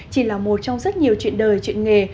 chỉ là một trong rất nhiều chuyện đời chuyện nghề